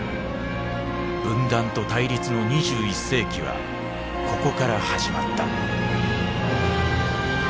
分断と対立の２１世紀はここから始まった。